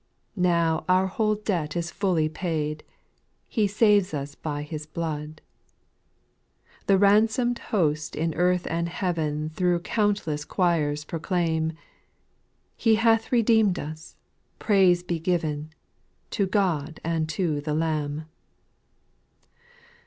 Now our whole debt is fully paid, He saves us by His blood : The ransom'd hosts in earth and heaven Through countless choirs proclaim, " He hath redeemed us, praise be given To God and to the Lamb."